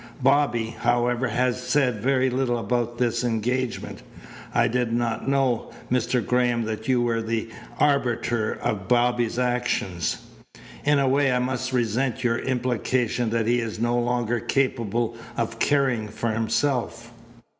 "Bobby, however, has said very little about this engagement. I did not know, Mr. Graham, that you were the arbiter of Bobby's actions. In a way I must resent your implication that he is no longer capable of caring for himself."